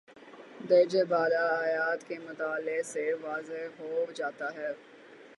درجِ بالا آیات کے مطالعے سے واضح ہو جاتا ہے